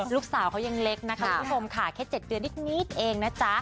ลูกสาวเขายังเล็กนะคะคุณผู้ชมค่ะแค่๗เดือนนิดเองนะจ๊ะ